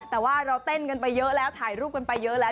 แต่ว่าเราเต้นกันไปเยอะแล้วถ่ายรูปกันไปเยอะแล้ว